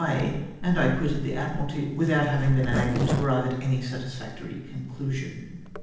229 way, and I quitted the Admiralty without having been enabled to arrive at any satisfactory conclusion.